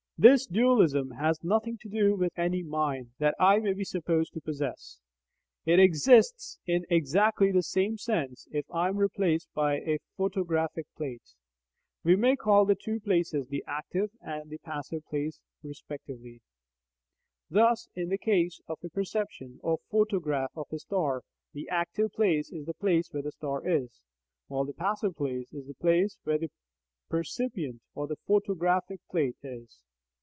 This dualism has nothing to do with any "mind" that I may be supposed to possess; it exists in exactly the same sense if I am replaced by a photographic plate. We may call the two places the active and passive places respectively.* Thus in the case of a perception or photograph of a star, the active place is the place where the star is, while the passive place is the place where the percipient or photographic plate is.